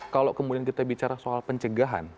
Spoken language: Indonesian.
kalau kemudian kita bicara soal pencegahan